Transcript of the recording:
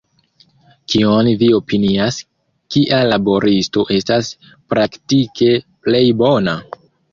Kion vi opinias, kia laboristo estas praktike plej bona?